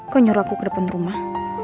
kok nyuruh aku ke depan rumah